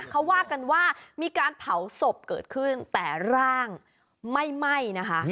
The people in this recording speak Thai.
เขาว่ากันว่ามีการเผาศพเกิดขึ้นแต่ร่างไม่ไหม้นะคะ